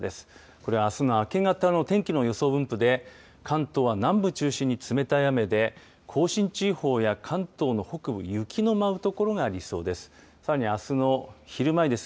これはあすの明け方の天気の予想分布で、関東は南部を中心に冷たい雨で、甲信地方や関東の北部、雪の舞う所がありそうです。